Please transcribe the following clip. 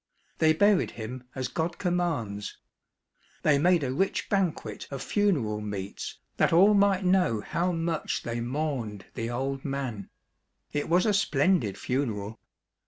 They buried him as God commands. They made a rich banquet of funeral meats that all might know how much they mourned the old man ; it was a splendid funeral.